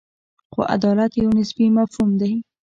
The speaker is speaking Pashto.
خو عدالت یو نسبي مفهوم دی.